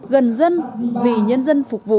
gần dân vì nhân dân phục vụ